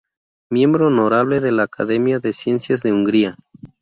Miembro honorable de la Academia de Ciencias de Hungría.